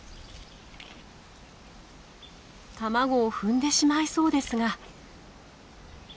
卵を踏んでしまいそうですが。